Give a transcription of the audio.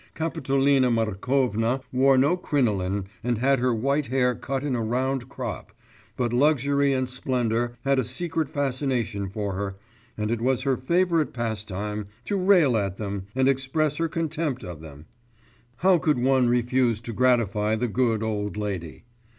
Kapitolina Markovna wore no crinoline and had her white hair cut in a round crop, but luxury and splendour had a secret fascination for her, and it was her favourite pastime to rail at them and express her contempt of them. How could one refuse to gratify the good old lady?